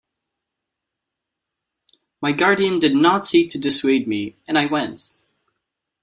My guardian did not seek to dissuade me, and I went.